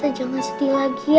tante jangan sedih lagi ya